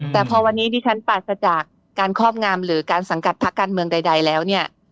แต่พอวันนี้ดิฉันปราศจากการครอบงามหรือการสังกัดพักการเมืองใดแล้วเนี่ย